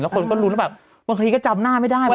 แล้วคนก็รู้แต่วันท์ที่ก็จำหน้าไม่ได้